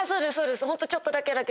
ホントちょっとだけだけどとか。